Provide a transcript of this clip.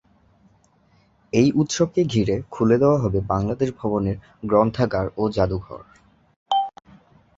এই উৎসবকে ঘিরে খুলে দেওয়া হবে বাংলাদেশ ভবনের গ্রন্থাগার ও জাদুঘর।